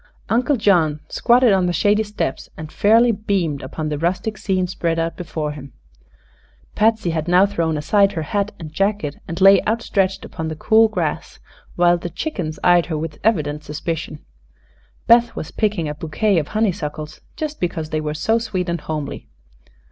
Uncle John squatted on the shady steps and fairly beamed upon the rustic scene spread out before him. Patsy had now thrown aside her hat and jacket and lay outstretched upon the cool grass, while the chickens eyed her with evident suspicion. Beth was picking a bouquet of honeysuckles, just because they were so sweet and homely.